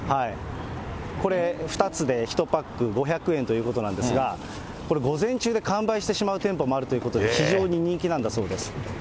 これ２つで１パック５００円ということなんですが、これ、午前中で完売してしまう店舗もあるということで、非常に人気なんだそうです。